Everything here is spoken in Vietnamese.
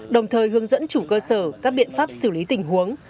đồng thời hướng dẫn chủ cơ sở các biện pháp xử lý tình huống